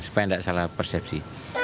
supaya tidak salah persepsi